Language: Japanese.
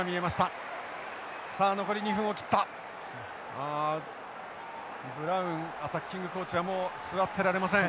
ああブラウンアタッキングコーチはもう座ってられません。